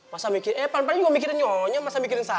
masa mikir eh padahal emak mikirin nyonya masa mikirin saya